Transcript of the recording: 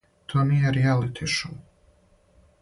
То није ријелити шоу.